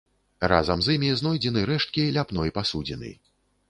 Разам з імі знойдзены рэшткі ляпной пасудзіны.